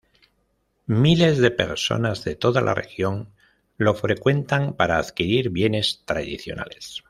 Miles de personas de toda la región lo frecuentan para adquirir bienes tradicionales.